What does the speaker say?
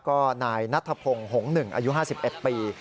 ก็นายนัทพงศ์หงษ์หนึ่งอายุ๕๑ปี